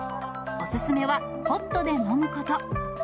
お勧めはホットで飲むこと。